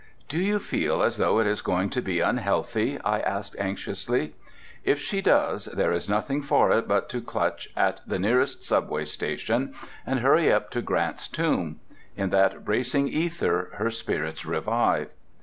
"Do you feel as though it is going to be unhealthy?" I ask anxiously. If she does, there is nothing for it but to clutch at the nearest subway station and hurry up to Grant's Tomb. In that bracing ether her spirits revive.